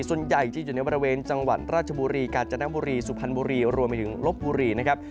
ส่วนใหญ่จะอยู่ในบริเวณจังหวัดราชบุรีกาญจนบุรีสุพรรณบุรีรวมไปถึงลบบุรีนะครับ